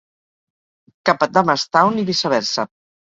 Cap a Damastown i viceversa.